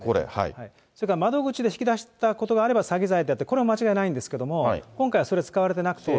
窓口で引き出したことがあれば、詐欺罪で、これは間違いないんですが、今回はそれは使われてなくって。